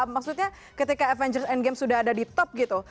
maksudnya ketika avengers endgames sudah ada di top gitu